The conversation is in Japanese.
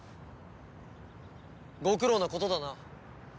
ご苦労なことだな。